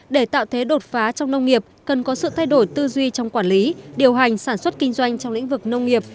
để tạo thế đột phá trong nông nghiệp cần có sự thay đổi tư duy trong quản lý điều hành sản xuất kinh doanh trong lĩnh vực nông nghiệp